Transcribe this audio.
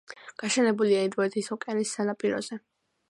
გაშენებულია ინდოეთის ოკეანის სანაპიროზე.